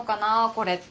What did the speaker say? これって。